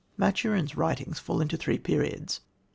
Maturin's writings fall into three periods.